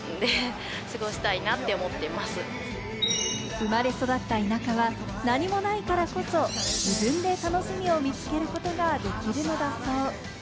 生まれ育った田舎は何もないからこそ、自分で楽しみを見つけることができるのだそう。